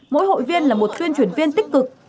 mỗi hội viên là một tuyên truyền viên tích cực